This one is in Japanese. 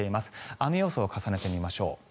雨予想を重ねてみましょう。